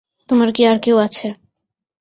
তোমার কি আর কেউ আছে?